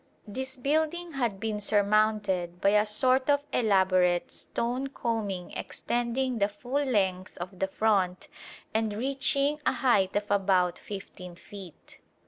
This building had been surmounted by a sort of elaborate stone combing extending the full length of the front and reaching a height of about 15 feet.